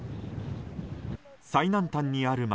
最南端にある町